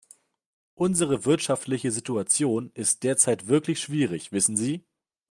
Unsere wirtschaftliche Situation ist derzeit wirklich schwierig, wissen Sie.